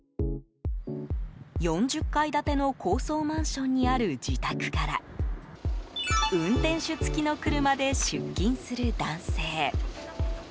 ４０階建ての高層マンションにある自宅から運転手付きの車で出勤する男性。